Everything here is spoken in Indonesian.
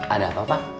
ada apa pak